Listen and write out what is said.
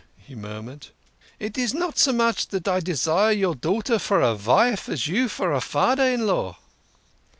he mur mured. " It is not so much dat I desire your daughter for a vife as you for a fader in law."